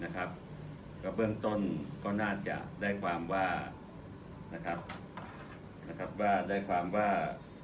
กระเบื้องต้นก็น่าจะได้ความว่า